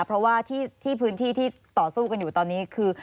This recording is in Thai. เพราะว่าที่พื้นที่ที่ต่อสู้กันอยู่ตอนนี้คือ